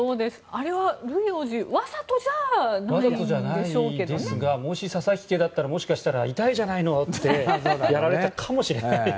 あれはルイ王子わざとじゃないですがもし佐々木家だったらもしかしたら痛いじゃないの！ってやられてたかもしれない。